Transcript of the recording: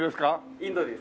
インドですね。